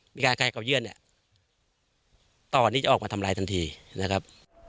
มีการคลายเก่าเยื่อนเนี่ยต่อนี่จะออกมาทำลายทันทีนะครับ